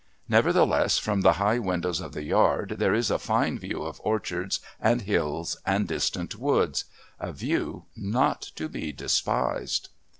Nevertheless from the high windows of the Yard there is a fine view of orchards and hills and distant woods a view not to be despised.